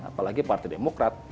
apalagi partai demokrat